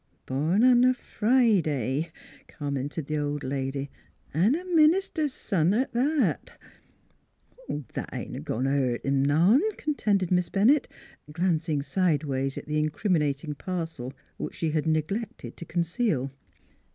"" Born on a Friday," commented the old lady. " An' a minister's son, at that! "' That ain't a goin' t' hurt him none !" con tended Miss Bennett, glancing sidewise at the in criminating parcel which she had neglected to con ceal.